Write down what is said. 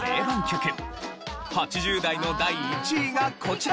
８０代の第１位がこちら。